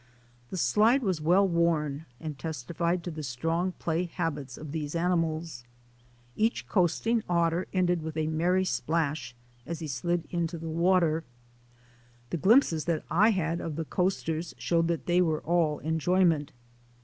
The slide was well worn and testified to the strong play habits of these animals. Each coasting otter ended with a merry splash as he slid into the water. The glimpses that I had of the coasters showed that they were all enjoyment.